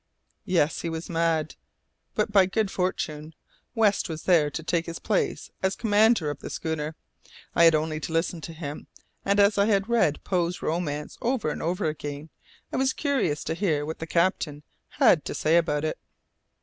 Yes, he was mad; but by good fortune West was there to take his place as commander of the schooner. I had only to listen to him, and as I had read Poe's romance over and over again, I was curious to hear what the captain had to say about it.